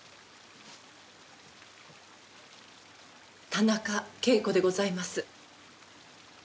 田中啓子でございます。